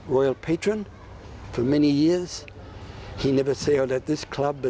เขาเป็นฝ่ายที่สร้างกลุ่มของกลุ่มนี้